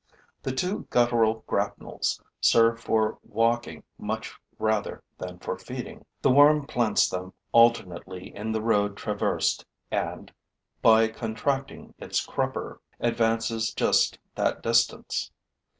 The two guttural grapnels serve for walking much rather than for feeding. The worm plants them alternately in the road traversed and, by contracting its crupper, advances just that distance.